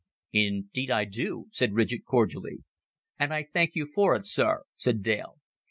"Indeed I do," said Ridgett cordially. "And I thank you for it, sir," said Dale.